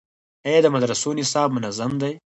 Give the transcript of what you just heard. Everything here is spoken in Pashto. آیا د مدرسو نصاب منظم دی؟